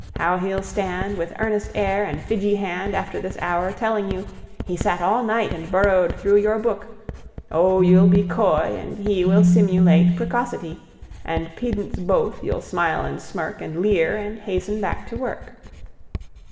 How he'll stand, With earnest air and fidgy hand, After this hour, telling you He sat all night and burrowed through Your book.... Oh, you'll be coy and he Will simulate precosity, And pedants both, you'll smile and smirk, And leer, and hasten back to work....